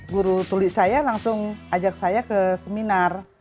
guru tulik saya langsung ajak saya ke seminar